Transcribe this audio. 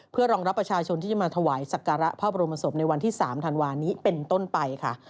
เพื่อรองรับประชาชนที่จะมาถวายสักการะพระบรมศพในวันที่๓ธันวานี้เป็นต้นไปค่ะ